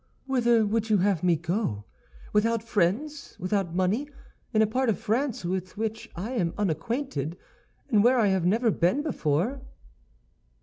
"Whither would you have me go, without friends, without money, in a part of France with which I am unacquainted, and where I have never been before?"